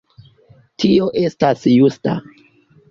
Tio estas justa.